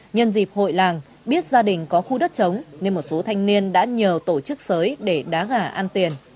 nhân dịp hội làng biết gia đình có khu đất chống nên một số thanh niên đã nhờ tổ chức sới để đá gà ăn tiền